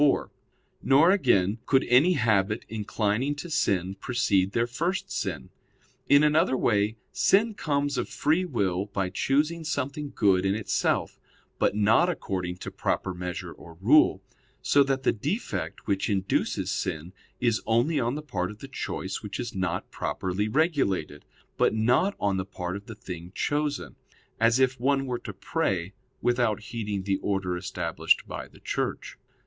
4); nor, again, could any habit inclining to sin precede their first sin. In another way sin comes of free will by choosing something good in itself, but not according to proper measure or rule; so that the defect which induces sin is only on the part of the choice which is not properly regulated, but not on the part of the thing chosen; as if one were to pray, without heeding the order established by the Church.